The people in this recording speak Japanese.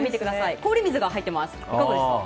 氷水が入っています。